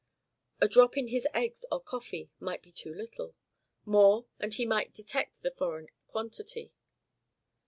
A drop in his eggs or coffee might be too little; more, and he might detect the foreign quantity.